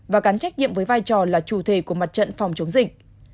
và gắn trách nhiệm với vai trò là chủ thể của mặt trận phòng chống dịch